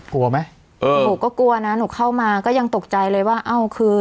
กลัวไหมเออหนูก็กลัวนะหนูเข้ามาก็ยังตกใจเลยว่าเอ้าคือ